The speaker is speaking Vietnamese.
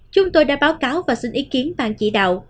chúng tôi đã báo cáo và xin ý kiến ban chỉ đạo